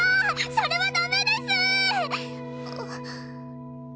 それはダメです！